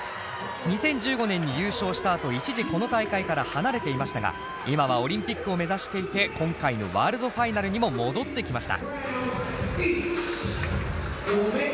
２０１５年に優勝したあと一時この大会から離れていましたが今はオリンピックを目指していて今回のワールドファイナルにも戻ってきました。